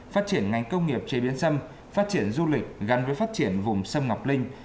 phát triển ngành công nghiệp chế biến xâm phát triển du lịch gắn với phát triển vùng sâm ngọc linh